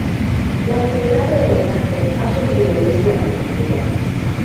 La actividad predominante ha sido y es la agricultura.